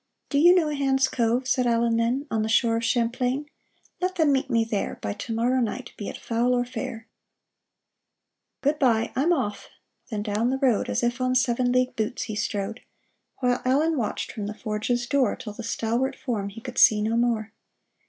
" Do you know Hand's Cove ?" said Allen then, " On the shore of Champlain ? Let them meet me there By to morrow night, be it foul or fair !"Good by, I'm off! " Then down the road As if on seven league boots he strode, While Allen watched from the forge's door Till the stalwart form he could see no more.